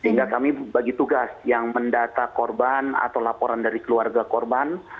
sehingga kami bagi tugas yang mendata korban atau laporan dari keluarga korban